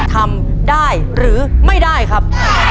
ทำได้หรือไม่ได้ครับ